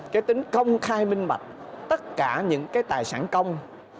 cái tính công khai minh bạch tất cả những cái tài sản công